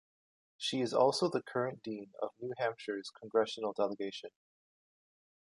She is also the current dean of New Hampshire's Congressional Delegation.